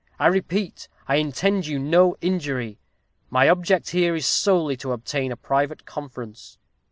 "I repeat, I intend you no injury. My object here is solely to obtain a private conference.